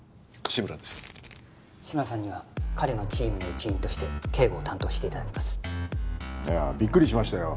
志村さんには彼のチームの一員として警護を担当していただきますいやびっくりしましたよ